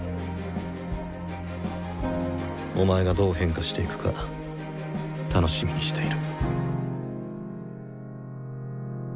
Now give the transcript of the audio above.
お前がどう変化していくか楽しみにしている。